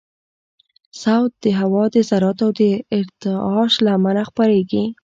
صوت د هوا د ذراتو د ارتعاش له امله خپرېږي.